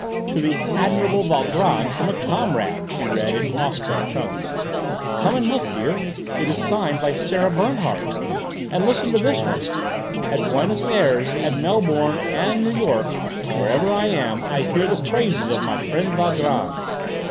"'To the admirable Valgrand from a comrade,'" she read in awe struck tones. "Come and look, dear, it is signed by Sarah Bernhardt! And listen to this one: 'At Buenos Ayres, at Melbourne, and New York, wherever I am I hear the praises of my friend Valgrand!'"